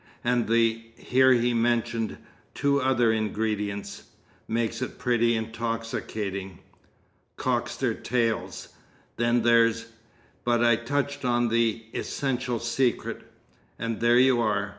"And the" (here he mentioned two other ingredients) "makes it pretty intoxicating. Cocks their tails. Then there's" (but I touch on the essential secret.) "And there you are.